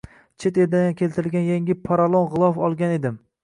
Chet eldan keltirilgan yangi parolon g‘ilof olgan edim.